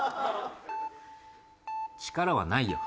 力はないよ。